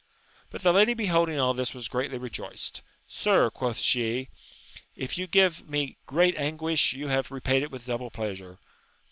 But the lady beholding all this was greatly rejoiced. Sir, quoth she, if you gave me great anguish you have repaid it with double pleasure.